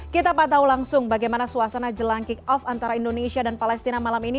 kita pantau langsung bagaimana suasana jelang kick off antara indonesia dan palestina malam ini